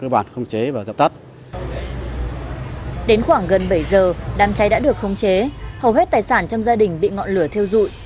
bây giờ đám cháy đã được khống chế hầu hết tài sản trong gia đình bị ngọn lửa theo dụi